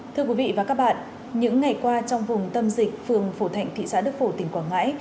thưa quý vị và các bạn những ngày qua trong vùng tâm dịch phường phổ thạnh thị xã đức phổ tỉnh quảng ngãi